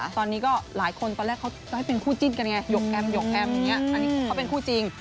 ตอนนี้ก็หลายคนตอนแรกเขาจะให้เป็นคู่จิ้นกันไงหยกแอมหยกแอมอย่างนี้อันนี้เขาเป็นคู่จริง